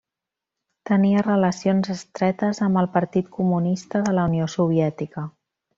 Tenia relacions estretes amb el Partit Comunista de la Unió Soviètica.